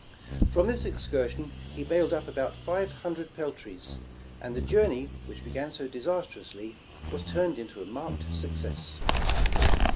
From this excursion he baled up about five hundred peltries, and the journey which began so disasterously, was turned into a marked suc cess.